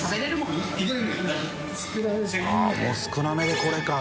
もう少なめでこれか。